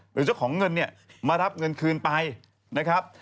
หรือเจ้าของเงินเนี่ยมารับเงินคืนไปนะครับ